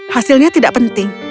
hasilnya tidak penting